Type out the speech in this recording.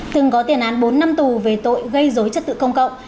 từng có tiền án bốn năm tù về tội gây dối trật tự công cộng